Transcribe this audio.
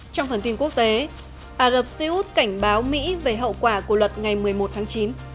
trong phần tin quốc tế ả rập xê út cảnh báo mỹ về hậu quả của luật ngày một mươi một tháng chín